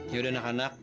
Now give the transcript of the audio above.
ya udah anak anak